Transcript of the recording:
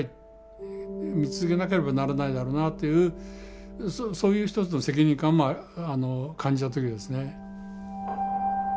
見続けなければならないだろうなというそういう一つの責任感も感じた時ですね。